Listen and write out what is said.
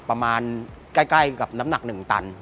ประมาณใกล้กับน้ำหนัก๑ตัน